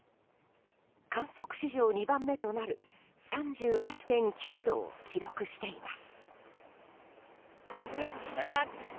観測史上２番目となる３８．９度を記録しています。